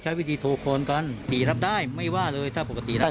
ใช้วิธีโทษควรกันติดรับได้ไม่ว่าเลยถ้าปกติรับได้